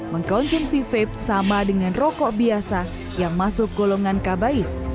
mengkonsumsi vape sama dengan rokok biasa yang masuk golongan kabais